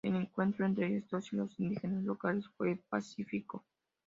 El encuentro entre estos y los indígenas locales fue pacífico.